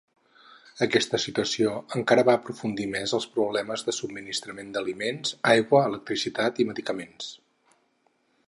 Aquesta situació encara va aprofundir més els problemes de subministrament d'aliments, aigua, electricitat i medicaments.